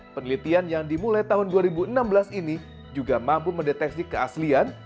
penelitian yang dimulai tahun dua ribu enam belas ini juga mampu mendeteksi keaslian